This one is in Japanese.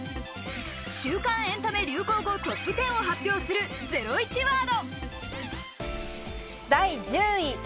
週間エンタメ流行語トップテンを発表するゼロイチワード。